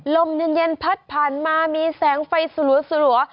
ลมเย็นพัดผ่านมามีแสงไฟสลัว